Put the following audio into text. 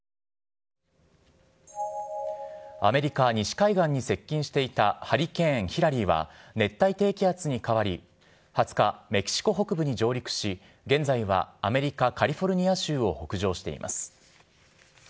アメリカ西海岸に接近していたハリケーン・ヒラリーは、熱帯低気圧にかわり、２０日、メキシコ北部に上陸し、現在はアメリカ・カリフォルニア州を北上しています。